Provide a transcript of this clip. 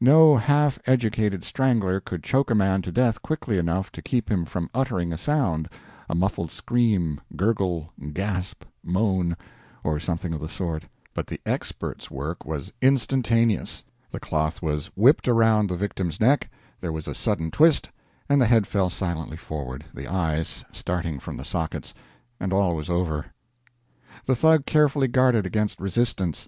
No half educated strangler could choke a man to death quickly enough to keep him from uttering a sound a muffled scream, gurgle, gasp, moan, or something of the sort; but the expert's work was instantaneous: the cloth was whipped around the victim's neck, there was a sudden twist, and the head fell silently forward, the eyes starting from the sockets; and all was over. The Thug carefully guarded against resistance.